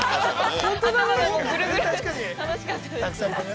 楽しかったです。